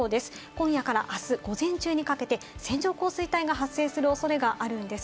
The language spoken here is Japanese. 今夜からあす午前中にかけて線状降水帯が発生するおそれがあるんです。